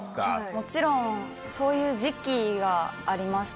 もちろんそういう時期がありました。